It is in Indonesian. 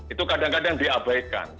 itu kadang kadang diabaikan